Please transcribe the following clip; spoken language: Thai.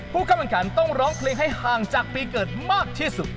กำลังขันต้องร้องเพลงให้ห่างจากปีเกิดมากที่สุด